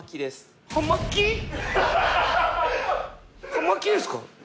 葉巻です